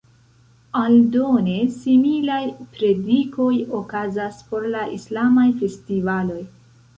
Aldone, similaj predikoj okazas por la islamaj festivaloj.